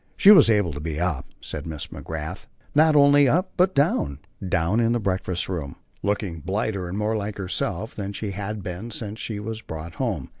She was able to be up, said Miss McGrath, not only up but down down in the breakfast room, looking blither and more like herself than she had been since she was brought home.